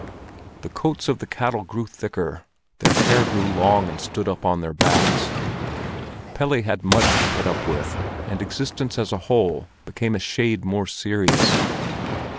The coats of the cattle grew thicker, their hair grew long and stood up on their backs. Pelle had much to put up with, and existence as a whole became a shade more serious.